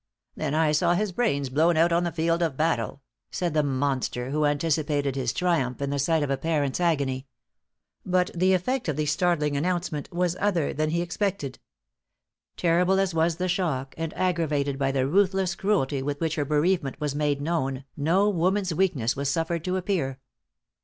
"Then I saw his brains blown out on the field of battle," said the monster, who anticipated his triumph in the sight of a parent's agony. But the effect of the startling announcement was other than he expected. Terrible as was the shock, and aggravated by the ruthless cruelty with which her bereavement was made known, no woman's weakness was suffered to appear.